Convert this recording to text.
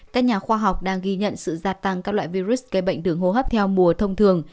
các nhà khoa học đang ghi nhận sự giả tăng các loại virus gây bệnh đường hốp theo mùa thông thường